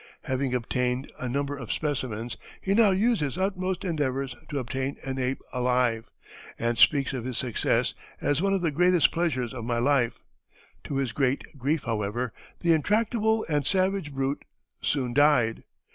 Having obtained a number of specimens, he now used his utmost endeavors to obtain an ape alive, and speaks of his success as "one of the greatest pleasures of my life;" to his great grief, however, the intractable and savage brute soon died.